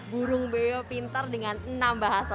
burung beo pintar dengan enam bahasa